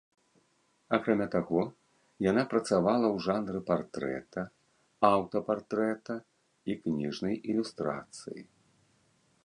Акрамя таго, яна працавала ў жанры партрэта, аўтапартрэта і кніжнай ілюстрацыі.